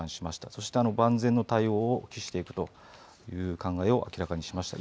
そして、万全の対応を期していくという考えを明らかにしました。